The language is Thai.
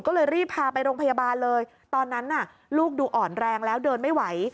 ก็เลยรีบพาไปโรงพยาบาลเลยตอนนั้นน่ะลูกดูอ่อนแรงแล้วเดินไม่ไหว